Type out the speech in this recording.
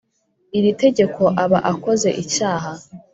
iri tegeko aba akoze icyaha